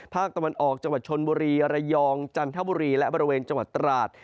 ภาคตะวันออกจังหวัดชนบุรีระยองจันทบุรีและบริเวณจังหวัดตราด